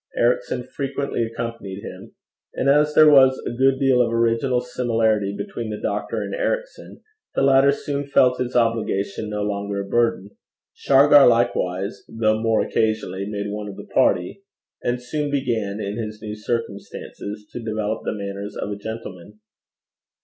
Ericson frequently accompanied him; and as there was a good deal of original similarity between the doctor and Ericson, the latter soon felt his obligation no longer a burden. Shargar likewise, though more occasionally, made one of the party, and soon began, in his new circumstances, to develop the manners of a gentleman.